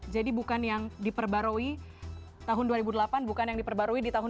jadi bukan yang diperbarui tahun dua ribu delapan bukan yang diperbarui di tahun dua ribu enam belas